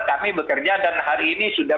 kami bekerja dan hari ini sudah